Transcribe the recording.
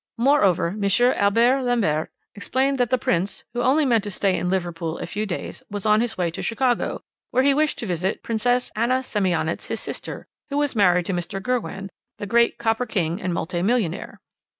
Moreover, M. Albert Lambert explained that the Prince, who only meant to stay in Liverpool a few days, was on his way to Chicago, where he wished to visit Princess Anna Semionicz, his sister, who was married to Mr. Girwan, the great copper king and multi millionaire.